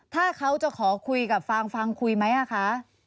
ถ้าเขาจะขอคุยกับฟางฟางคุยไหมคะ